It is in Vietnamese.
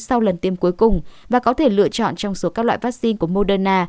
sau lần tiêm cuối cùng và có thể lựa chọn trong số các loại vaccine của moderna